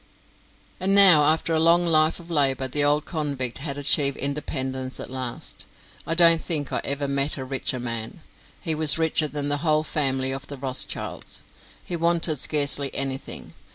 And now after a long life of labour the old convict had achieved independence at last. I don't think I ever met a richer man; he was richer than the whole family of the Rothschilds; he wanted scarcely anything.